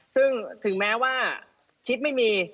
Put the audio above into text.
ซึ่งถึงแม้ว่าคิดไม่มี